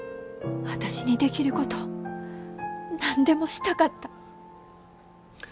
私にできること何でもしたかった。